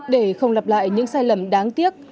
để không lặp lại những sai lầm đáng tiếc